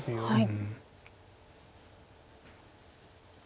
はい。